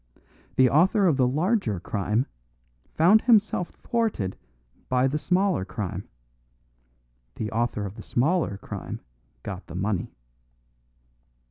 The author of the larger crime found himself thwarted by the smaller crime; the author of the smaller crime got the money."